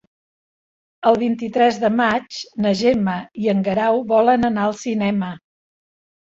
El vint-i-tres de maig na Gemma i en Guerau volen anar al cinema.